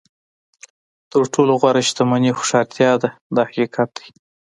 تر ټولو غوره شتمني هوښیارتیا ده دا حقیقت دی.